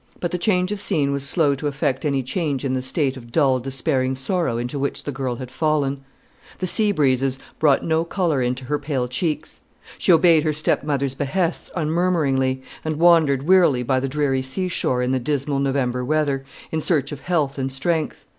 But the change of scene was slow to effect any change in the state of dull despairing sorrow into which the girl had fallen. The sea breezes brought no colour into her pale cheeks. She obeyed her stepmother's behests unmurmuringly, and wandered wearily by the dreary seashore in the dismal November weather, in search of health and strength.